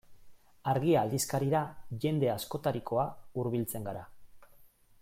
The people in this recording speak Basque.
Argia aldizkarira jende askotarikoa hurbiltzen gara.